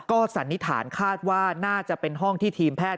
ก็สันนิษฐานคาดว่าน่าจะเป็นห้องที่ทีมแพทย์